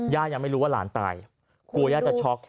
ยังไม่รู้ว่าหลานตายกลัวย่าจะช็อก